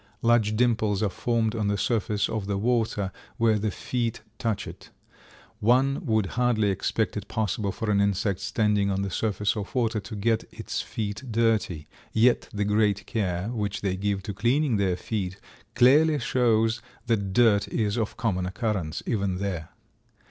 Large dimples are formed on the surface of the water where the feet touch it. One would hardly expect it possible for an insect standing on the surface of water to get its feet dirty, yet the great care which they give to cleaning their feet clearly shows that dirt is of common occurrence, even there.